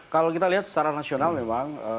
kalau kita lihat secara nasional memang